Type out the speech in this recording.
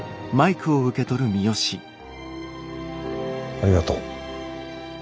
ありがとう。